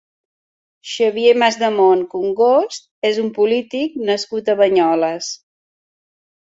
Xavier Masdemont Congost és un polític nascut a Banyoles.